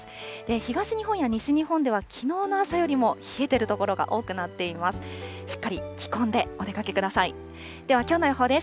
東日本や西日本では、きのうの朝よりも冷えている所が多くなっています。